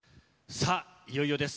さあ、いよいよです。